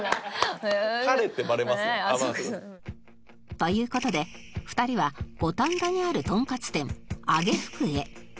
という事で２人は五反田にあるトンカツ店あげ福へ